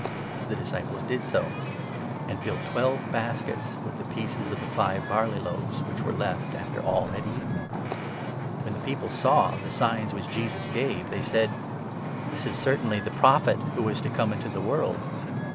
The disciples did so, and filled twelve baskets with the n pieces of the five barley loaves, which were left after all had eaten. When the people saw the signs which Jesus gave, they said : 14 " This is certainly ' the Prophet who was to come ' into the world."